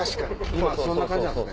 今そんな感じなんすね。